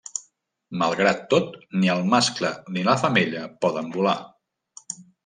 Malgrat tot, ni el mascle ni la femella poden volar.